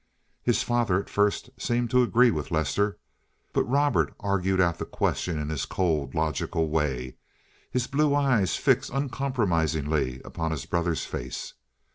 His father at first seemed to agree with Lester. But Robert argued out the question in his cold, logical way, his blue eyes fixed uncompromisingly upon his brother's face.